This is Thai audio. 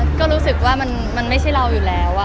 ก็รู้สึกว่ามันไม่ใช่เราอยู่แล้ว